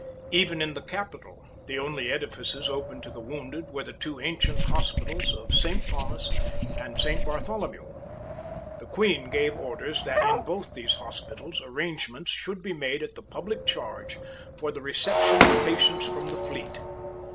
Even in the capital the only edifices open to the wounded were the two ancient hospitals of Saint Thomas and Saint Bartholomew. The Queen gave orders that in both these hospitals arrangements should be made at the public charge for the reception of patients from the fleet.